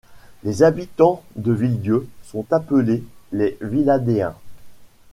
Les habitants de Villedieu sont appelés les Villadéens.